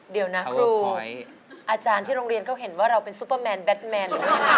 เดี๋ยวนะครูอาจารย์ที่โรงเรียนเข้าเห็นว่าเราเป็นซุปเปอร์แมนแบทแมน